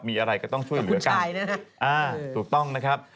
มีอะไรก็ต้องช่วยเหลือกันคุณชายนะฮะอ่าถูกต้องนะครับ